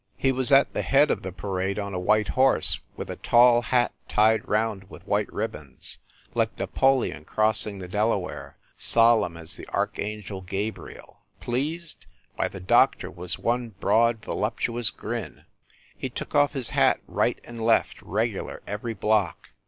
He was at the head of the parade on a white horse, with a tall hat tied round with white ribbons, like Napoleon crossing the Delaware, solemn as the Archangel Gabriel. Pleased ? Why, the doctor was one broad, voluptu ous grin! He took off his hat right and left regular, every block.